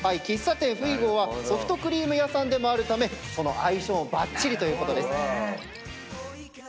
喫茶店「ＦＵＩＧＯ」はソフトクリーム屋さんでもあるため相性ばっちりということです。